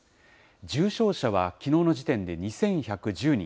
重症者はきのうの時点で２１１０人。